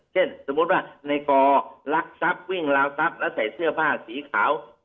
เช่นสมมติว่านายกอร์ลักษาวิ่งแล้วทรัพย์แล้วใส่เสื้อผ้าสีขาว